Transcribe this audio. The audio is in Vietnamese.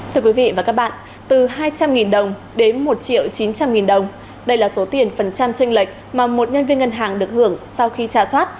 thưa quý vị và các bạn từ hai trăm linh đồng đến một triệu chín trăm linh nghìn đồng đây là số tiền phần trăm tranh lệch mà một nhân viên ngân hàng được hưởng sau khi trả soát